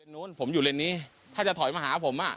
นู้นผมอยู่เลนนี้ถ้าจะถอยมาหาผมอ่ะ